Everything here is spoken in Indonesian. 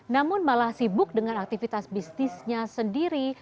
namun malah sibuk dengan aktivitas bisnisnya sendiri